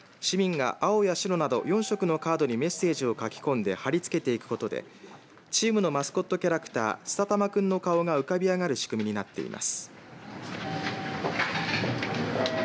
市民が青や白など４色のカードにメッセージを書き込んで貼り付けていくことでチームのマスコットキャラクターすさたまくんの顔が浮かび上がる仕組みになっています。